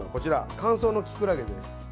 乾燥のきくらげです。